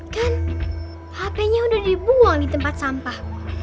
kan hpnya udah dibuang di tempat sampah